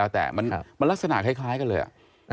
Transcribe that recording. แต่มันลักษณะคล้ายกันเลย